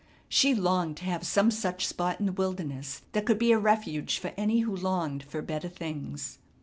She longed to have some such spot in the wilderness that could be a refuge for any who longed for better things.